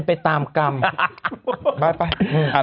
รู้ไหวพัก